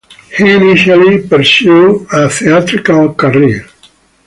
He initially pursued a theatrical career.